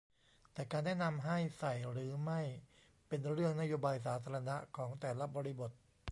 แต่การแนะนำให้ใส่หรือไม่เป็นเรื่องนโยบายสาธารณะของแต่ละบริบท